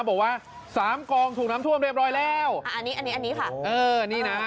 บอกว่า๓กลองถูกนำท่วมเรียบร้อยแล้วอันนี้ค่ะ